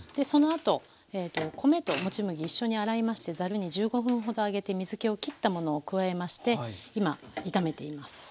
そのあと米ともち麦一緒に洗いましてざるに１５分ほどあげて水けを切ったものを加えまして今炒めています。